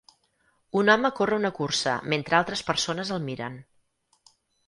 Un home corre una cursa mentre altres persones el miren.